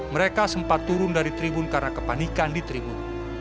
mereka sempat turun dari tribun karena kepanikan di tribun